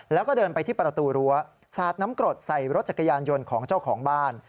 แล้วก็เดินไปที่ประตูรั้วสาดน้ำกรดใส่รถจักรยานยนต์ของเจ้าของบ้าน